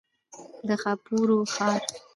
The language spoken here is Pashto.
د ښاپورو ښار.